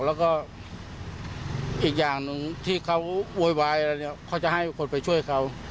แล้วก็อีกอย่างหนึ่งที่เขาโวยวายอะไรเนี่ยเขาจะให้คนไปช่วยเขา